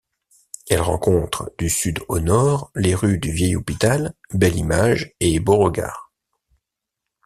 Elle rencontre, du sud au nord, les rues du Vieil-Hôpital, Belle-Image et Beauregard.